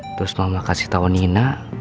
terus mama kasih tahu nina